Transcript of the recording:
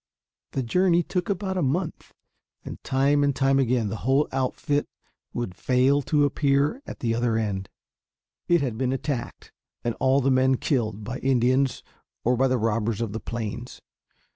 The journey took about a month; and time and time again the whole outfit would fail to appear at the other end. It had been attacked and all the men killed by Indians or by the robbers of the plains.